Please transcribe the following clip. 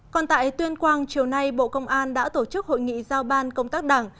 còn tại tuyên quang chiều nay bộ công an đã tổ chức hội nghị giao ban công tác đảng